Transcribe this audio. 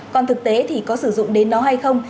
còn thực tế thì có sử dụng đến nó hay không